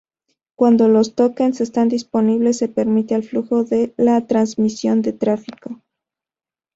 Cuando los tokens están disponibles, se permite al flujo la transmisión de tráfico.